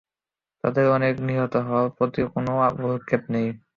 তাদের অনেকে নিহত হওয়ার প্রতিও কোন ভ্রুক্ষেপ করল না।